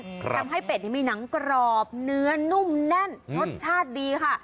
ทำให้เป็ดนี่มีหนังกรอบเนื้อนุ่มแน่นรสชาติดีค่ะ